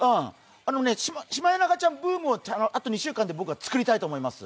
シマエナガちゃんブームをあと２週間で僕は作りたいと思います。